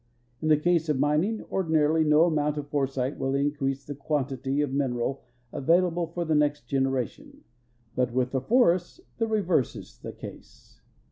In the case of mining, ordinarily no amount of foresight will increase the quantitA^ of mineral avail able for the next generation, but with the forests the reverse is the case.